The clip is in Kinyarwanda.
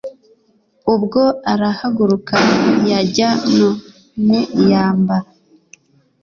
ubwo arahaguruka ntiyajya no mu iyambara